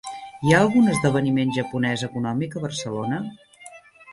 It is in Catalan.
Hi ha algun esdeveniment japonès econòmic a Barcelona?